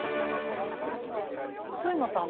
上野さん